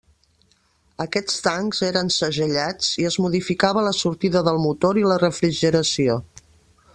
Aquests tancs eren segellats i es modificava la sortida del motor i la refrigeració.